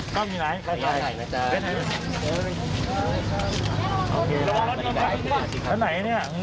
ขอบคุณนะครับพี่